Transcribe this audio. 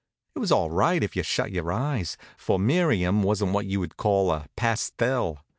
It was all right if you shut your eyes, for Miriam wasn't what you'd call a pastel.